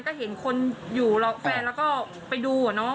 ก็เห็นคนอยู่แฟนแล้วก็ไปดูก่อนนะ